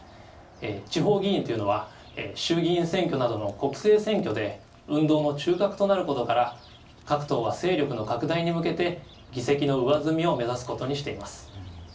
地方議員というのは衆議院選挙などの国政選挙で運動の中核となることから各党は勢力の拡大に向けて議席の上積みを目指すことにしています。